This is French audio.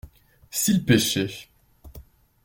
S’ils pêchaient.